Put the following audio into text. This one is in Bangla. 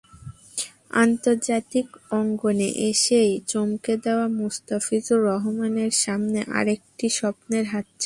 আন্তর্জাতিক অঙ্গনে এসেই চমকে দেওয়া মুস্তাফিজুর রহমানের সামনে আরেকটি স্বপ্নের হাতছানি।